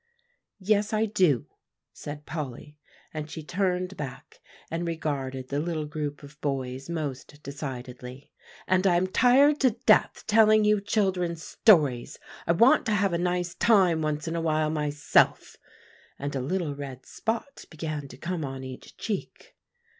"Yes, I do," said Polly, and she turned back and regarded the little group of boys most decidedly; "and I'm tired to death telling you children stories. I want to have a nice time once in a while myself;" and a little red spot began to come on each cheek.